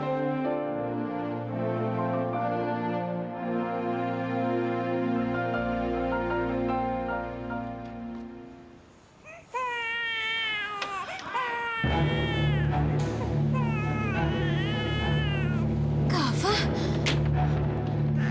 kami percaya sama kakak